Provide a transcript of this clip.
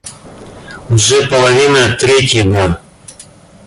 Уже половина третьего.